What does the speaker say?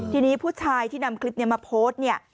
ทีนี้ผู้ชายที่นำคลิปนี้มาโพสต์เนี่ย